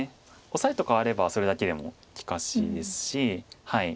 オサエと換わればそれだけでも利かしですし。